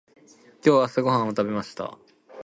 今日朝ごはんを食べました。